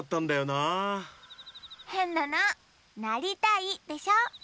「なりたい」でしょ？